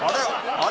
あれ？